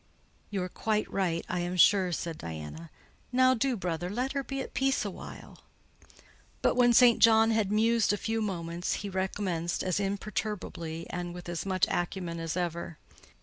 "You are quite right, I am sure," said Diana. "Now do, brother, let her be at peace a while." But when St. John had mused a few moments he recommenced as imperturbably and with as much acumen as ever.